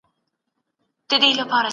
نظریات د ټولنیزې تحلیلونو بنسټ جوړوي.